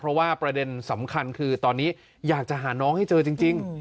เพราะว่าประเด็นสำคัญคือตอนนี้อยากจะหาน้องให้เจอจริง